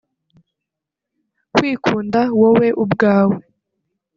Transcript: Kwikunda wowe ubwawe